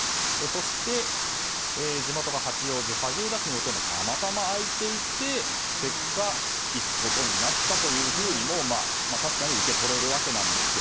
そして地元が八王子萩生田氏の予定もたまたま空いていて結果、行くことになったとも確かに受け取れるわけですが。